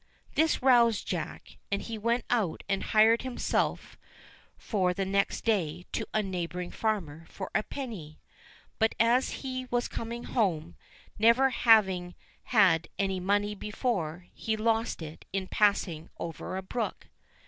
This roused Jack, and he went out and hired himself for the next day to a neighbouring farmer for a penny ; but as he was coming home, never having had any money before, he lost it in passing over a brook.